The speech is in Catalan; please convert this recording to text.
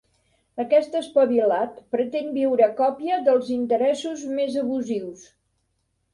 Aquest espavilat pretén viure a còpia dels interessos més abusius.